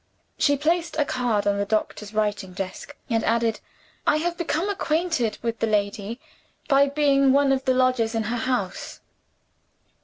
She placed a card on the doctor's writing desk, and added: "I have become acquainted with the lady, by being one of the lodgers in her house."